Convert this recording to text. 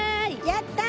やった！